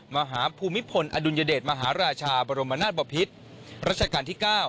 มหาภูมิพลอดุลยเดชมหาราชาบรมนาศบพิษรัชกาลที่๙